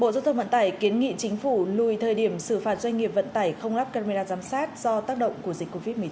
bộ giao thông vận tải kiến nghị chính phủ lùi thời điểm xử phạt doanh nghiệp vận tải không lắp camera giám sát do tác động của dịch covid một mươi chín